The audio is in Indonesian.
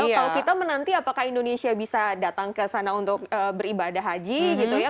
kalau kita menanti apakah indonesia bisa datang ke sana untuk beribadah haji gitu ya